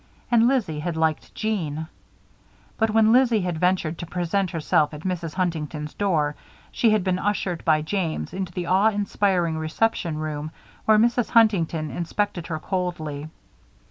And Lizzie had liked Jeanne. But when Lizzie had ventured to present herself at Mrs. Huntington's door, she had been ushered by James into the awe inspiring reception room, where Mrs. Huntington inspected her coldly.